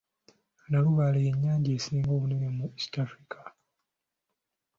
Nalubaale ye nnyanja esinga obunene mu East Afirika.